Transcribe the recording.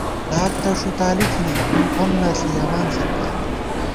لاک تہ ݭُتالی تھنی خون نہ ݪِیَمان خلکا